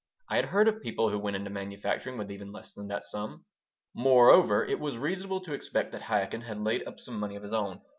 I had heard of people who went into manufacturing with even less than that sum. Moreover, it was reasonable to expect that Chaikin had laid up some money of his own.